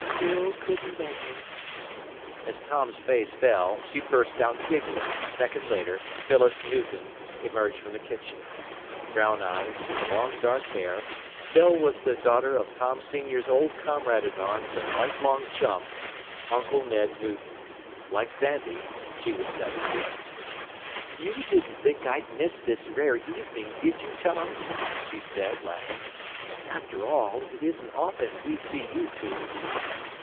"Phyl couldn't make it." As Tom's face fell, she burst out giggling and a second later Phyllis Newton emerged from the kitchen. Brown eyed, with long dark hair, Phyl was the daughter of Tom Sr.'s old comrade in arms and lifelong chum "Uncle Ned" Newton. Like Sandy, she was seventeen. "You didn't think I'd miss this rare evening, did you, Tom?" she said, laughing. "After all, it isn't often we see you two."